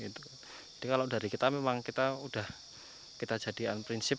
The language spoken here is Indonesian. jadi kalau dari kita memang kita udah kita jadian prinsip